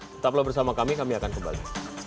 tetap lo bersama kami kami akan kembali